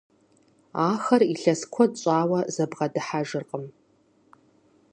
Ахэр илъэс куэд щӏауэ зыбгъэдыхьэжыркъым.